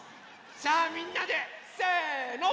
さあみんなでせの！